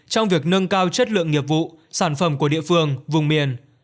trong việc nâng cao chất lượng nghiệp vụ sản phẩm của địa phương vùng miền